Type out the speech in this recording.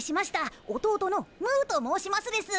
弟のムーと申しますです。